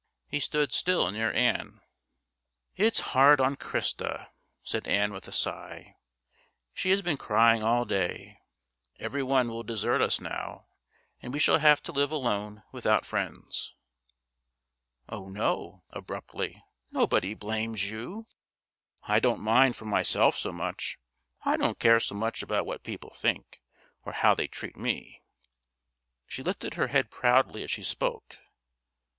He stood still near Ann. "It's hard on Christa," said Ann with a sigh; "she has been crying all day. Every one will desert us now, and we shall have to live alone without friends." "Oh no" (abruptly); "nobody blames you." "I don't mind for myself so much; I don't care so much about what people think, or how they treat me." She lifted her head proudly as she spoke.